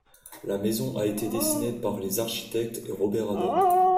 La maison a été dessinée par les architectes et Robert Adam.